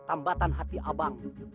tambatan hati abang